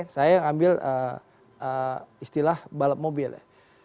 saya ambil istilah balap mobil ya